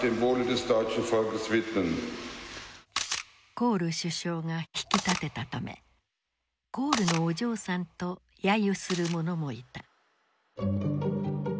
コール首相が引き立てたため「コールのお嬢さん」と揶揄する者もいた。